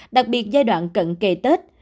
đặc biệt giai đoạn cận kề tết